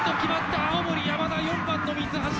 青森山田、４番の三橋。